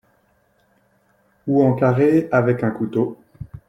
ou en carrés avec un couteau